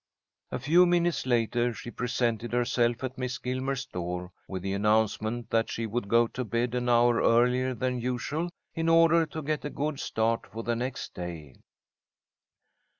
A few minutes later she presented herself at Miss Gilmer's door with the announcement that she would go to bed an hour earlier than usual, in order to get a good start for the next day.